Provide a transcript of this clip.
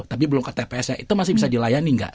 tapi belum ke tps nya itu masih bisa dilayani nggak